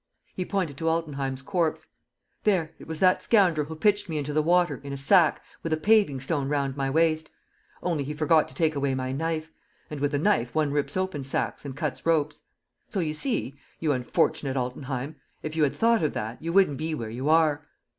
He pointed to Altenheim's corpse. "There, it was that scoundrel who pitched me into the water, in a sack, with a paving stone round my waist. Only, he forgot to take away my knife. And with a knife one rips open sacks and cuts ropes. So you see, you unfortunate Altenheim: if you had thought of that, you wouldn't be where you are!